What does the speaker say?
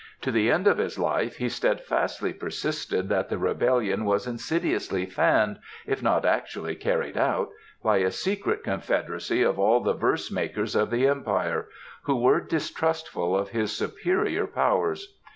To the end of his life he steadfastly persisted that the rebellion was insidiously fanned, if not actually carried out, by a secret confederacy of all the verse makers of the Empire, who were distrustful of his superior powers.